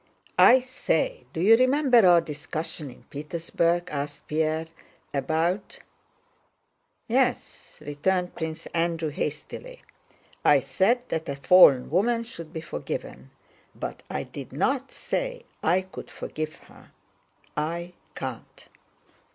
"I say, do you remember our discussion in Petersburg?" asked Pierre, "about..." "Yes," returned Prince Andrew hastily. "I said that a fallen woman should be forgiven, but I didn't say I could forgive her. I can't."